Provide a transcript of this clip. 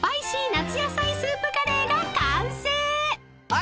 夏野菜スープカレーが完成］